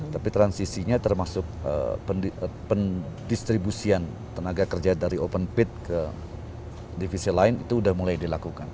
tapi transisinya termasuk pendistribusian tenaga kerja dari open pit ke divisi lain itu sudah mulai dilakukan